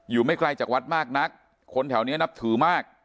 ไม่ไกลจากวัดมากนักคนแถวนี้นับถือมาก